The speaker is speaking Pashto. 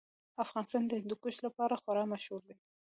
افغانستان د هندوکش لپاره خورا مشهور دی.